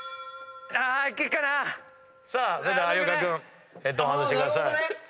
さあそれでは有岡君ヘッドホン外してください。